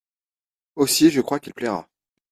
Aussi je crois qu’il plaira…